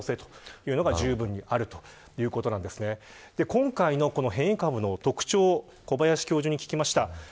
今回の変異株の特徴小林教授に聞きました。